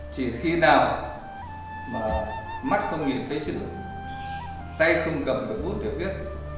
chỉ khi nào mà mắt không nhìn thấy chữ tay không cầm được bút được viết